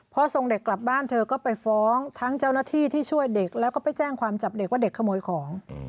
พอส่งเด็กกลับบ้านเธอก็ไปฟ้องทั้งเจ้าหน้าที่ที่ช่วยเด็กแล้วก็ไปแจ้งความจับเด็กว่าเด็กขโมยของ